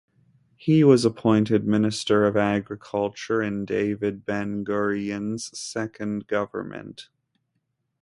He was appointed Minister of Agriculture in David Ben-Gurion's second government.